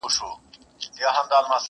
چي ډوب تللی وو د ژوند په اندېښنو کي،